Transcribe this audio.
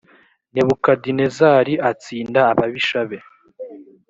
nebukadinezari atsinda ababisha be